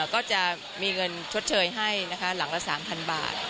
ก็จะมีเงินชดเชยให้นะคะหลังละ๓๐๐บาท